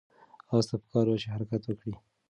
آس ته پکار وه چې حرکت وکړي.